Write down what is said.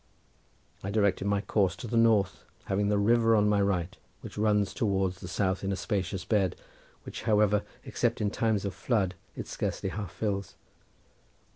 I directed my course to the north, having the river on my right, which runs towards the south in a spacious bed which, however, except in times of flood, it scarcely half fills.